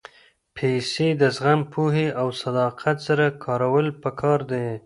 پېسې د زغم، پوهې او صداقت سره کارول پکار دي.